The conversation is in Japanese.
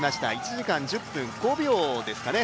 １時間１０分５秒ですかね